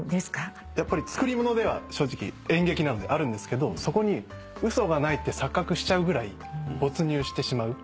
やっぱりつくりものでは正直演劇なのであるんですけどそこに嘘がないって錯覚しちゃうぐらい没入してしまう。